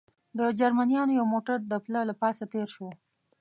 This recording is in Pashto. د جرمنیانو یو موټر د پله له پاسه تېر شو.